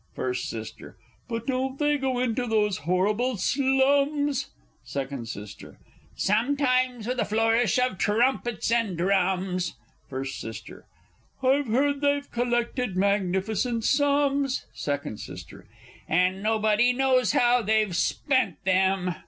First S. But don't they go into those horrible slums? Second S. Sometimes with a flourish of trumpets and drums. First S. I've heard they've collected magnificent sums. Second S. And nobody knows how they've spent them!